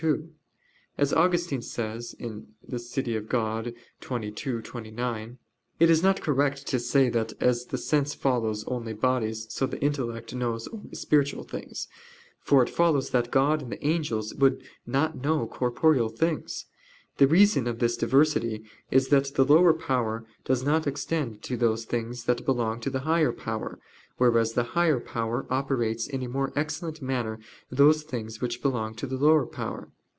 2: As Augustine says (De Civ. Dei xxii, 29), it is not correct to say that as the sense knows only bodies so the intellect knows only spiritual things; for it follows that God and the angels would not know corporeal things. The reason of this diversity is that the lower power does not extend to those things that belong to the higher power; whereas the higher power operates in a more excellent manner those things which belong to the lower power.